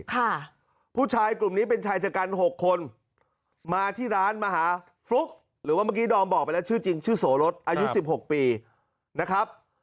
ค่ะผู้ชายกลุ่มนี้เป็นชายชะกันหกคนมาที่ร้านมาหาฟลุ๊กหรือว่าเมื่อกี้ดอมบอกไปแล้วชื่อจริงชื่อโสรสอายุสิบหกปีนะครับ